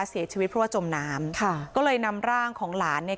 เสียชีวิตเพราะว่าจมน้ำค่ะก็เลยนำร่างของหลานเนี่ย